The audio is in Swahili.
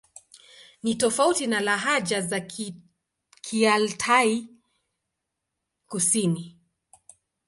Ni tofauti na lahaja za Kialtai-Kusini.